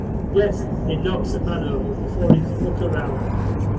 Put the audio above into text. Yes, it knocks a man over before he can look around.